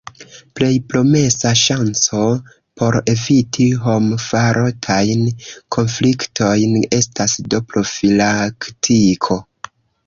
Plej promesa ŝanco por eviti homfarotajn konfliktojn estas do profilaktiko.